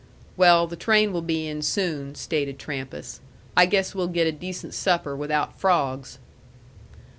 "Well, the train will be in soon," stated Trampas. "I guess we'll get a decent supper without frogs."